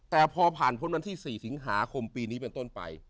แต่พอผ่านพ้นวันที่๔สิงหาคมปีนี้เป็นต้นไป